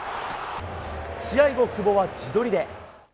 試合後、久保は自撮りで。